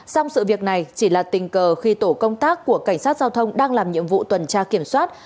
xong sự việc này chỉ là tình cờ khi tổ công tác của cảnh sát giao thông đang làm nhiệm vụ tuần tra kiểm soát